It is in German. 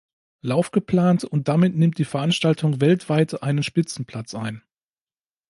Lauf geplant, und damit nimmt die Veranstaltung weltweit einen Spitzenplatz ein.